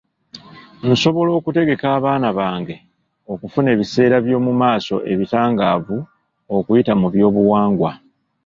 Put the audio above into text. Nsobola okutegeka abaana bange okufuna ebiseera by'omu maaso ebitangaavu okuyita mu byobuwangwa.